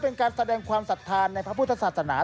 เป็นการแสดงความศรัทธาในพระพุทธศาสนา